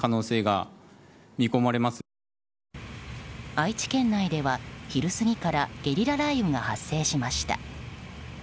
愛知県内では昼過ぎからゲリラ雷雨が発生しました。